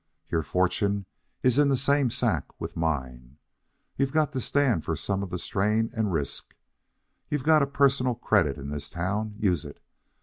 Your fortune is in the same sack with mine. You've got to stand for some of the strain and risk. You've got personal credit in this town. Use it.